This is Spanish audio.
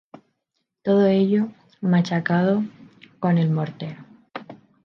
Todo ello machacado con el mortero.